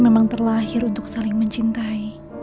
memang terlahir untuk saling mencintai